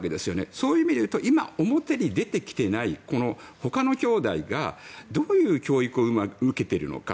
そういう意味で言うと今、表に出てきていないほかのきょうだいがどういう教育を受けているのか。